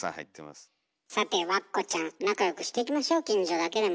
さてわっこちゃん仲よくしていきましょ近所だけでも。